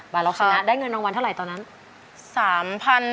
เราชนะได้เงินรางวัลเท่าไหร่ตอนนั้น